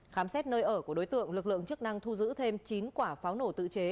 khám xét nơi ở của đối tượng lực lượng chức năng thu giữ thêm chín quả pháo nổ tự chế